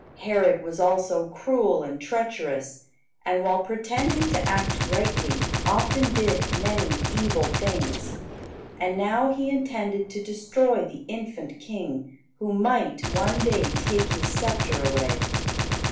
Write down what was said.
Herod was also cruel and treacherous, and while pretending to act rightly, often did many evil things. And now he intended to destroy the infant King, who might one day take his sceptre away.